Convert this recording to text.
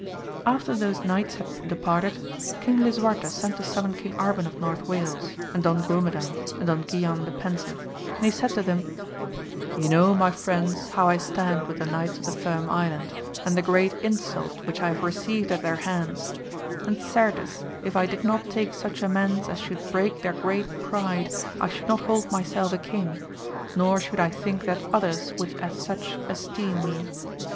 |FTER those knights had departed. King Lisuarte sent to summon King Arban of North Wales, and Don Grumedan, and Don Guilaa the Pensive, and he said to them, Ye know my 8—2; 116 AMADIS OF GAUR friends how I stand with the Knights of the Pirm Island, and the great insult which I have received at their hands, and certes if I did not take such amends as should break their great pride, I should not hold myself a king, nor should I think that others wonld as such esteem me.